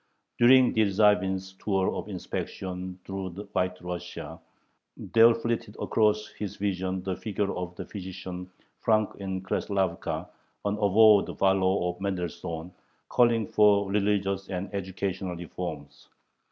During Dyerzhavin's tour of inspection through White Russia there flitted across his vision the figure of the physician Frank in Kreslavka, an avowed follower of Mendelssohn, calling for religious and educational reforms.